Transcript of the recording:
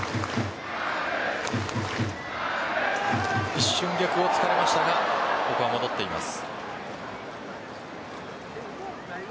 一瞬、逆を突かれましたがここは戻っています。